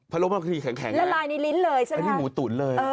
พะโล้มันมีแข็งเลยละลายในลิ้นเลยใช่ไหมครับอันนี้หมูตุ๋นเลย